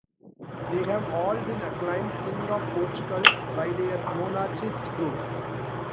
They have all been acclaimed king of Portugal by their monarchist groups.